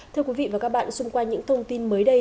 thưa quý vị và các bạn xung quanh những thông tin mới đây